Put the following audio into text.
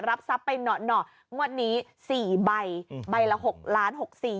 รับทรัพย์ไปหน่องวดนี้๔ใบใบละ๖ล้าน๖๔